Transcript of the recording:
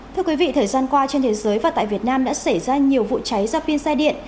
thưa quý vị thời gian qua trên thế giới và tại việt nam đã xảy ra nhiều vụ cháy do pin xe điện